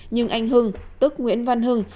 nhưng anh hưng tức nguyễn văn hưng